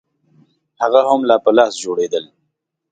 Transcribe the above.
هغه هم په لاس جوړېدل